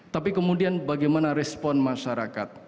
tapi kemudian bagaimana respon masyarakat